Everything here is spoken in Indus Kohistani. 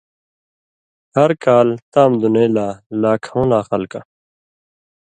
ہر کال تام دُنئ لا لاکھؤں لا خلکہ